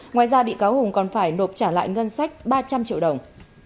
ngoài ra bị cáo hùng còn phải nộp trả lại ngân sách ba trăm linh triệu đồng